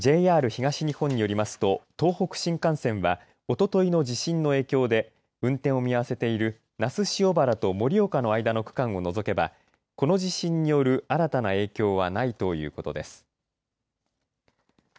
ＪＲ東日本によりますと東北新幹線はおとといの地震の影響で運転を見合わせている那須塩原と盛岡の間の区間を除けばこの地震による新たな影響はないということです。